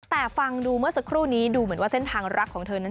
แต่ฟังดูเมื่อสักครู่นี้ดูเหมือนว่าเส้นทางรักของเธอนั้น